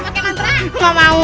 maka mantra mantra mau